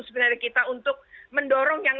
sebenarnya kita untuk mendorong yang